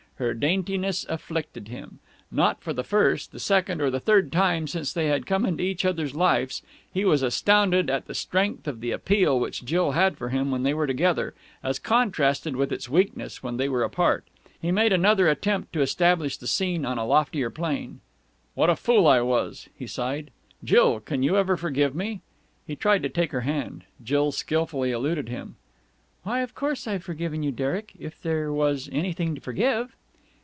Her daintiness afflicted him. Not for the first, the second, or the third time since they had come into each other's lives, he was astounded at the strength of the appeal which Jill had for him when they were together, as contrasted with its weakness when they were apart. He made another attempt to establish the scene on a loftier plane. "What a fool I was!" he sighed. "Jill! Can you ever forgive me?" He tried to take her hand. Jill skilfully eluded him. "Why, of course I've forgiven you, Derek, if there was, anything to forgive."